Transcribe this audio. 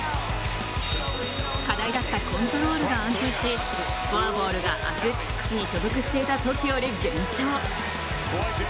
課題だったコントロールが安定しフォアボールがアスレチックスに所属していたときより減少。